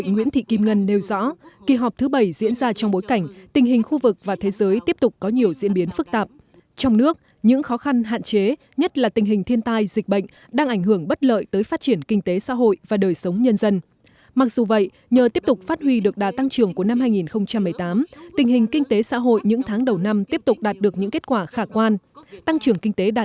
nguyễn thị kim ngân chủ tịch quốc hội nguyễn thị kim ngân